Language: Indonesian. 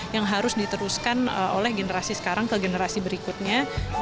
yang harus diteruskan oleh generasi sekarang ke generasi berikutnya